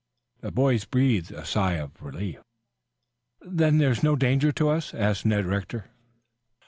The boys breathed a sigh of relief. "Then, there is no danger to us?" asked Ned Rector.